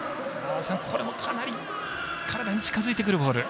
和田さん、これもかなり体に近づいてくるボール。